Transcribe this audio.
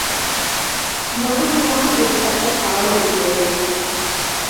முதுமையால் ஏற்பட்ட தாழ்வு இது.